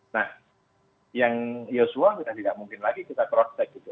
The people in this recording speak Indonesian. nah yang yesua kita tidak mungkin lagi kita protek gitu